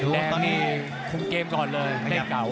แดงนี่คุ้มเกมก่อนเลยแดงเก่า